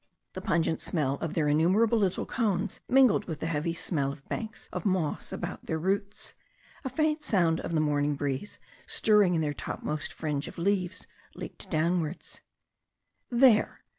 The pungent smell of their innumerable little cones mingled with the heavy smell of banks of moss about their roots. A faint sound of the morning breeze stirring in their topmost fringe of leaves leaked downwards. "There!"